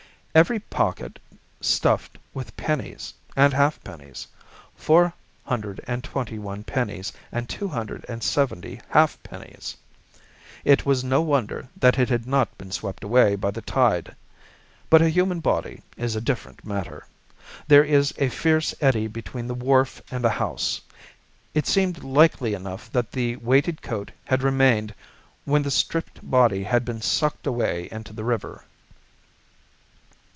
Every pocket stuffed with pennies and half pennies—421 pennies and 270 half pennies. It was no wonder that it had not been swept away by the tide. But a human body is a different matter. There is a fierce eddy between the wharf and the house. It seemed likely enough that the weighted coat had remained when the stripped body had been sucked away into the river."